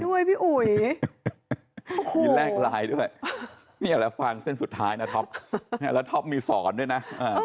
โอ้โหพี่กลัวเมียไหมพี่ผู้ชายกลัวเมียไหม